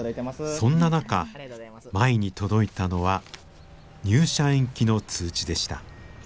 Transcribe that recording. そんな中舞に届いたのは入社延期の通知でした。